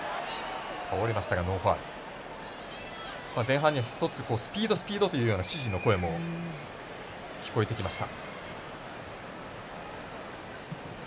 前半には一つ「スピードスピード」という指示も聞こえてきました。